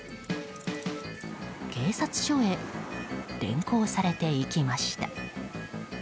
警察署へ連行されていきました。